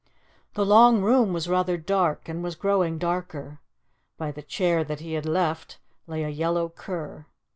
The long room was rather dark, and was growing darker. By the chair that he had left lay a yellow cur.